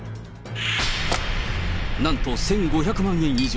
なんと１５００万円以上。